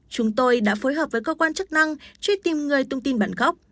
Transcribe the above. chúng tôi đã phối hợp với cơ quan chức năng truy tìm người tung tin bản gốc